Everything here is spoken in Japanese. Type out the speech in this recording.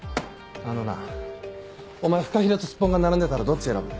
あのなお前フカヒレとスッポンが並んでたらどっち選ぶ？